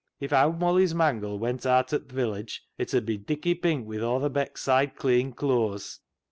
" If owd Molly's mangle went aat o' th' village it 'ud be Dicky Pink wi' aw th' Beckside cleean clooas.